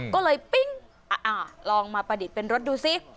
ก็เลยปิ๊งลองมาประดิษฐ์เป็นรถดูสิ